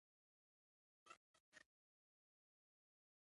بيا يې ځوان ورور راغی زه او زما نيکه يې ووهلو.